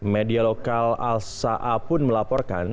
media lokal al sa'a pun melaporkan